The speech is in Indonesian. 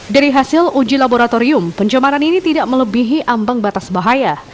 dari hasil uji laboratorium pencemaran ini tidak melebihi ambangannya